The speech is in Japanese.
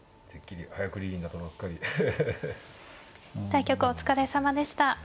対局お疲れさまでした。